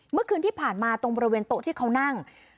เมื่อคืนที่ผ่านมาตรงบริเวณโต๊ะที่เขานั่ง